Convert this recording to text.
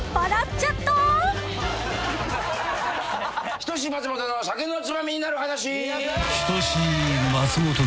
『人志松本の酒のツマミになる話』